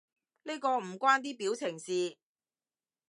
呢個唔關啲表情事